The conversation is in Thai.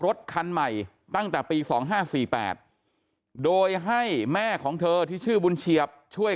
รถคันใหม่ตั้งแต่ปี๒๕๔๘โดยให้แม่ของเธอที่ชื่อบุญเฉียบช่วย